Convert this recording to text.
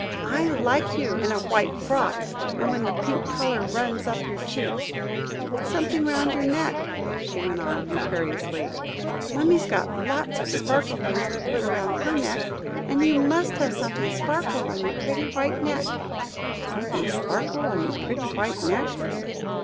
"I like you in a white frock, and when the pink colour runs up your cheeks. Put something round your neck," she went on imperiously. "Mummy's got lots of sparkle things to put round her neck, and you must have something sparkle on your pretty white neck." "Something sparkle on your pretty white neck."